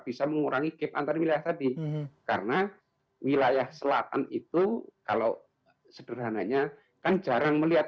bisa mengurangi gap antar wilayah tadi karena wilayah selatan itu kalau sederhananya kan jarang melihat